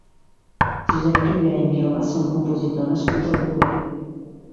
Josep Ribera i Miró va ser un compositor nascut a Alcover.